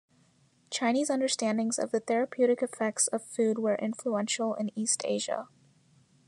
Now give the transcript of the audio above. Chinese understandings of the therapeutic effects of food were influential in East Asia.